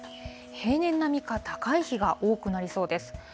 平年並みか高い日が多くなりそうです。